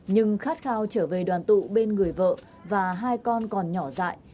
nhưng khát khao trở về đoàn tụ bên người vợ và hai con còn nhỏ dại